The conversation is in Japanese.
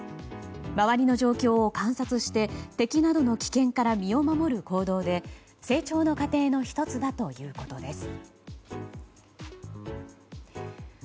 周りの状況を観察して敵などの危険から身を守る行動で成長の過程の１つだということです。